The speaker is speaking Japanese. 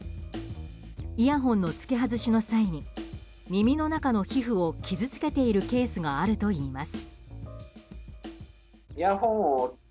イヤホンの着け外しの際に耳の中の皮膚を傷つけているケースがあるといいます。